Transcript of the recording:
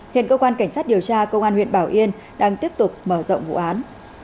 hiện cơ quan cảnh sát điều tra công an huyện bảo yên đang tiếp tục mở rộng vụ án